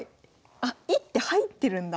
あっ１手入ってるんだ。